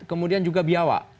kemudian juga biawa